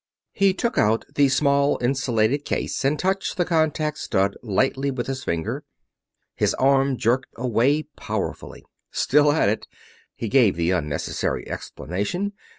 He took out the small, insulated case and touched the contact stud lightly with his finger. His arm jerked away powerfully. "Still at it," he gave the unnecessary explanation.